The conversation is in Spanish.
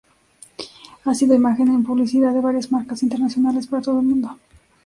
Ha sido imagen en publicidad de varias marcas internacionales para todo el mundo.